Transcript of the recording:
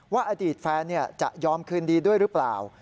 อดีตแฟนจะยอมคืนดีด้วยหรือเปล่า